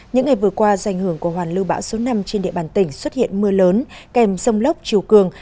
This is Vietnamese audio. những ngày vừa qua do ảnh hưởng của hoàn lưu bão số năm trên địa bàn tỉnh xuất hiện mưa lớn kèm rông lốc chiều cường